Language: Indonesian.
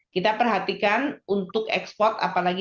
kita perhatikan untuk ekspor apalagi